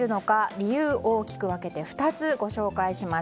理由、大きく分けて２つご紹介します。